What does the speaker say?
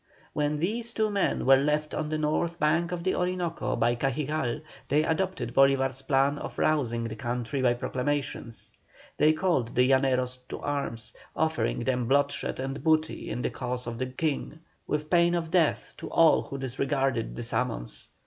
When these two men were left on the north bank of the Orinoco by Cajigal they adopted Bolívar's plan of rousing the country by proclamations. They called the Llaneros to arms, offering them bloodshed and booty in the cause of the King, with pain of death to all who disregarded the summons.